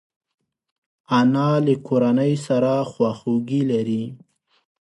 انا له کورنۍ سره خواخوږي لري